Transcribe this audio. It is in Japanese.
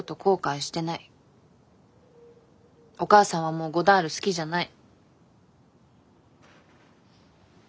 お母さんはもうゴダール好きじゃない。